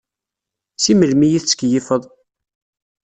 Si melmi i tettkeyyifeḍ?